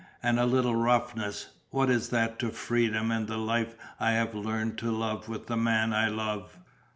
And a little roughness, what is that to freedom and the life I have learned to love with the man I love?